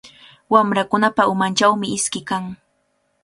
Wamrakunapa umanchawmi iski kan.